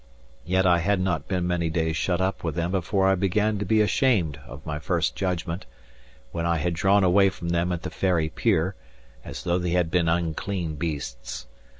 Yet I had not been many days shut up with them before I began to be ashamed of my first judgment, when I had drawn away from them at the Ferry pier, as though they had been unclean beasts.